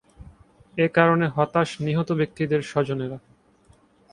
এ কারণে হতাশ নিহত ব্যক্তিদের স্বজনেরা।